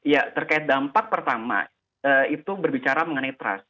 ya terkait dampak pertama itu berbicara mengenai trust